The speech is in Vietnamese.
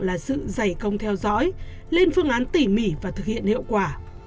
là sự giải công theo dõi lên phương án tỉ mỉ và thực hiện hiệu quả